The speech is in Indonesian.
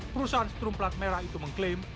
perusahaan strum plat merah itu mengklaim